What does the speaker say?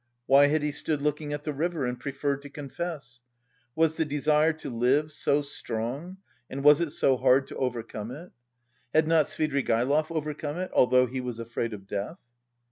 Why had he stood looking at the river and preferred to confess? Was the desire to live so strong and was it so hard to overcome it? Had not Svidrigaïlov overcome it, although he was afraid of death?